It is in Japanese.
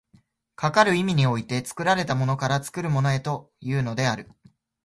かかる意味において、作られたものから作るものへというのである。